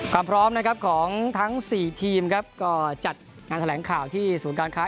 ความพร้อมนะครับของทั้งสี่ทีมครับก็จัดงานแถลงข่าวที่ศูนย์การค้า